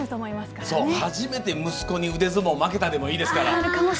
「初めて息子に腕相撲負けた」でも、いいですから。